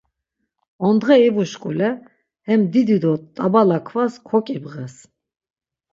Ondğe ivuşkule hem didi do t̆abala kvas koǩibğes.